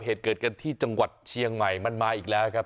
เหตุเกิดกันที่จังหวัดเชียงใหม่มันมาอีกแล้วครับ